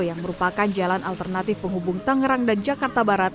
yang merupakan jalan alternatif penghubung tangerang dan jakarta barat